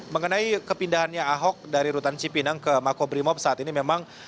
mengenai kepindahannya ahok dari rutan cipinang ke makobrimob saat ini memang